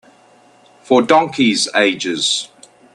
For donkeys' ages.